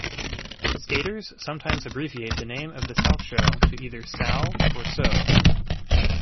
Skaters sometimes abbreviate the name of the Salchow to either "sal" or "sow".